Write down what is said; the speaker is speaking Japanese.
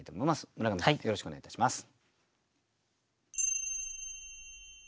村上さんよろしくお願いいたします。